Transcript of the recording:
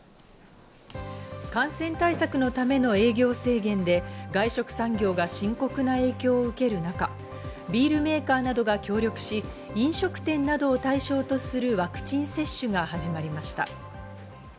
感染対策のための営業制限で外食産業が深刻な影響を受ける中、ビールメーカーなどが協力し、飲食店などを対象とするワクチン接種が始まりました。